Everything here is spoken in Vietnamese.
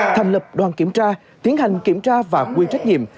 thành lập đoàn kiểm tra tiến hành kiểm tra và quy trách nhiệm